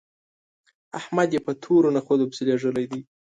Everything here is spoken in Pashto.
احمد يې په تورو نخودو پسې لېږلی دی